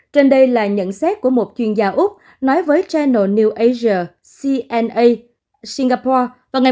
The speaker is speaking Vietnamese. trên đây là nhận xét của một chuyên gia úc nói với channel new asia cna singapore vào ngày một